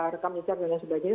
rekam nge chat dan sebagainya